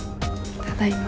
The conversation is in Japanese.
ただいま。